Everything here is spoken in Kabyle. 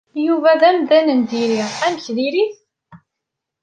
Yuba d amdan n diri. Amek diri-t?